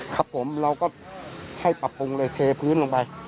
ครับผมเราก็ให้ปรับปรุงเลยเทพื้นลงไป